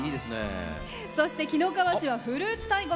そして、紀の川市はフルーツ大国。